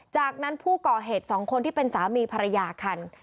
จากนั้นผู้ก่อเหตุ๒คนที่เป็นสามีภรรยาคัน